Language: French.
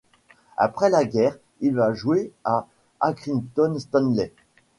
Après la guerre, il va jouer à Accrington Stanley.